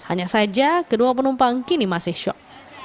hanya saja kedua penumpang kini masih syok